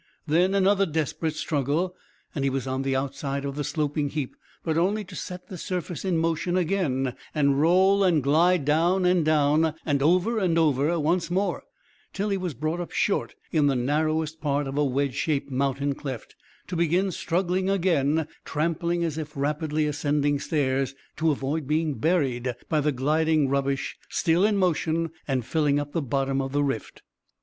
Then another desperate struggle, and he was on the outside of the sloping heap, but only to set the surface in motion again and roll and glide down and down and over and over once more, till he was brought up short in the narrowest part of a wedge shaped mountain cleft, to begin struggling again, trampling as if rapidly ascending stairs, to avoid being buried by the gliding rubbish still in motion and filling up the bottom of the rift.